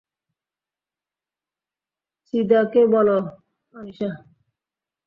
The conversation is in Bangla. চিদাকে বলো-- আনিশা?